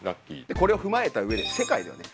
これを踏まえた上で世界ではね